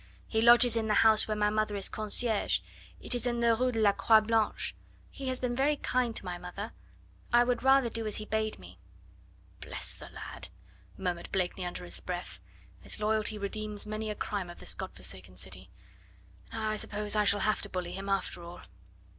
"He lodges in the house where my mother is concierge. It is in the Rue de la Croix Blanche. He has been very kind to my mother. I would rather do as he bade me." "Bless the lad," murmured Blakeney under his breath; "his loyalty redeems many a crime of this God forsaken city. Now I suppose I shall have to bully him, after all."